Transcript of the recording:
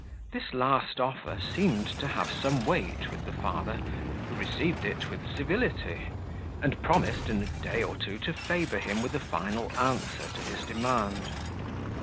This last offer seemed to have some weight with the father, who received it with civility, and promised in a day or two to favour him with a final answer to his demand.